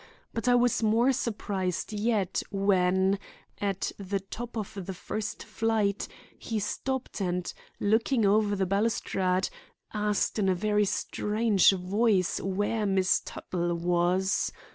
But I was more surprised yet when, at the top of the first flight, he stopped and, looking over the balustrade, asked in a very strange voice where Miss Tuttle was.